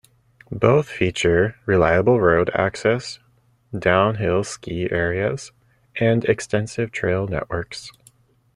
Both feature reliable road access, downhill ski areas, and extensive trail networks.